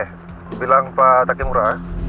saya bilang kepada pak takimura